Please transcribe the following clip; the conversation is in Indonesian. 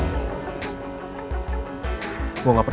apa pak pak